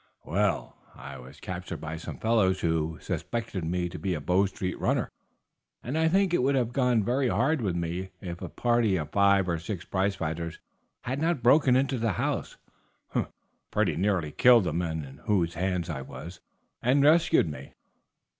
"Well, I was captured by some fellows who suspected me to be a Bow Street runner, and I think that it would have gone very hard with me if a party of five or six prize fighters had not broken into the house, pretty nearly killed the men in whose hands I was, and rescued me.